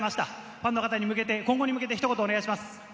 ファンの方に向けて今後に向けて一言お願いします。